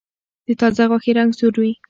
د تازه غوښې رنګ سور وي.